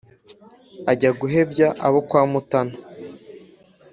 Ajya guhebya abo kwa Mutana